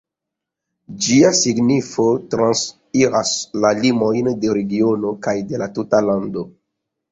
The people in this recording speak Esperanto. Ĝia signifo transiras la limojn de regiono kaj de la tuta lando.